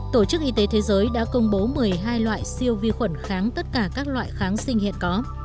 tổ chức y tế thế giới đã công bố một mươi hai loại siêu vi khuẩn kháng tất cả các loại kháng sinh hiện có